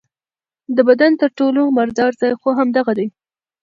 د بدن تر ټولو مردار ځای خو همدغه دی.